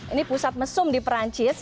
ini pusat mesum di perancis